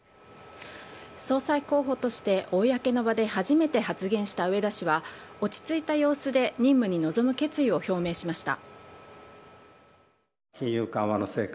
総裁候補として公の場で初めて発言した植田氏は落ち着いた様子で任務に臨む決意を表明しました。